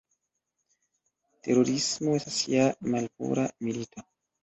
Terorismo estas ja malpura "milito".